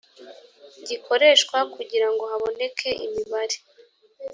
gikoreshwa kugira ngo haboneke imibare